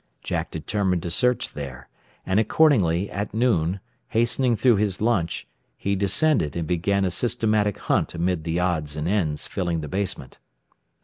Jack determined to search there; and accordingly, at noon, hastening through his lunch, he descended and began a systematic hunt amid the odds and ends filling the basement.